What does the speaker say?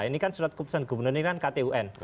ini kan surat keputusan gubernur ini kan ktun